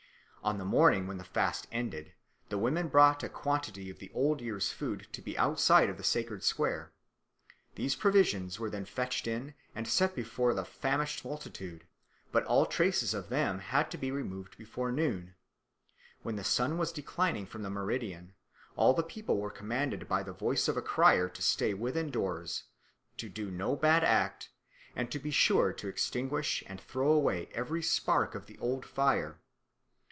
On the morning when the fast ended, the women brought a quantity of the old year's food to the outside of the sacred square. These provisions were then fetched in and set before the famished multitude, but all traces of them had to be removed before noon. When the sun was declining from the meridian, all the people were commanded by the voice of a crier to stay within doors, to do no bad act, and to be sure to extinguish and throw away every spark of the old fire.